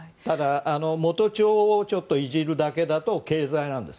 元帳をちょっといじるだけだと軽罪なんです。